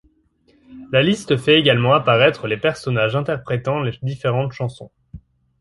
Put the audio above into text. La liste fait également apparaître les personnages interprétant les différentes chansons.